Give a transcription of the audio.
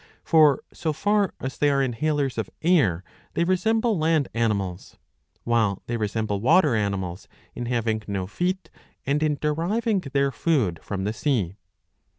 For so far as they are inhalers of air they resemble land animals, while they resemble water animals in having no feet and in deriving their food from the sea.